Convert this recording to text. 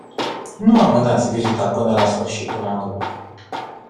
Nu amânați vizita până la sfârșitul anului.